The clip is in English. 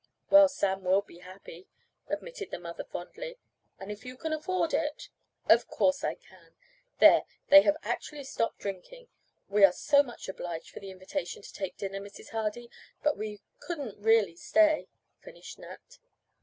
"Well, Sam will be happy," admitted the mother fondly, "and if you can afford it " "Of course I can. There, they have actually stopped drinking. We are so much obliged for the invitation to take dinner, Mrs. Hardy, but we couldn't really stay," finished Nat.